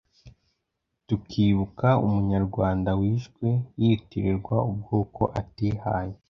tukibuka Umunyarwanda wishwe yitirirwa ubwoko atihaye